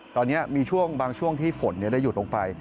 ตอนนี้มีช่วงบางช่วงที่ฝนได้หยุดลงไป